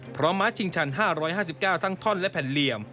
ม้าชิงชัน๕๕๙ทั้งท่อนและแผ่นเหลี่ยม